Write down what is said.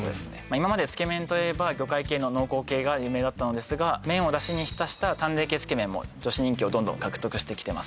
今までつけ麺といえば魚介系の濃厚系が有名だったのですが麺を出汁に浸した淡麗系つけ麺も女子人気をどんどん獲得してきてます